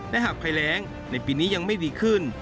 และหากภัยแรงในปีนี้ยังไม่ดีขึ้น